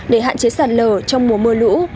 để hạn chế sạt lửa trong mùa mưa lũ